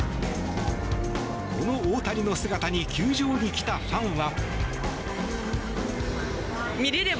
この大谷の姿に球場に来たファンは。